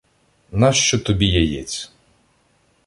- Нащо тобі яєць?